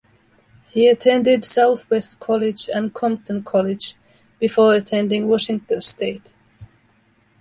He attended Southwest College and Compton College before attending Washington State.